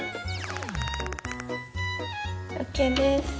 ＯＫです。